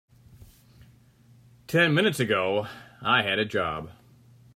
Ten minutes ago I had a job.